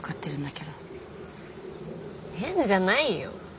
変じゃないよ。